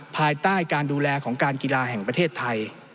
ภายใต้การดูแลของการกีฬาแห่งประเทศไทย